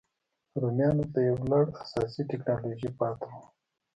رومیانو ته یو لړ اساسي ټکنالوژۍ پاتې وو.